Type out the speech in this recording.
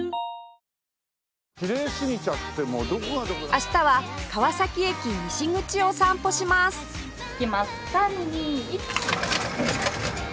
明日は川崎駅西口を散歩しますいきます。